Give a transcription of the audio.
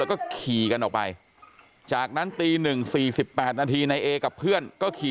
แล้วก็ขี่กันออกไปจากนั้นตี๑๔๘นาทีนายเอกับเพื่อนก็ขี่